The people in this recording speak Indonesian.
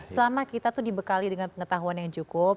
selama kita tuh dibekali dengan pengetahuan yang cukup